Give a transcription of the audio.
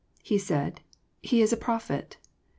He said. He is a prophet.